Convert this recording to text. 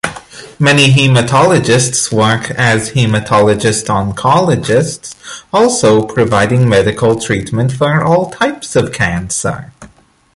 Many hematologists work as hematologist-oncologists, also providing medical treatment for all types of cancer.